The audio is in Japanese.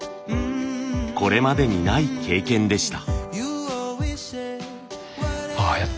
これまでにない経験でした。